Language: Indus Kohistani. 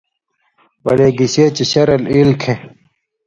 ولے گشے چے شرل ایلوۡ کھیں